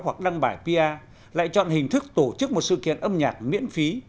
hoặc đăng bài pr lại chọn hình thức tổ chức một sự kiện âm nhạc miễn phí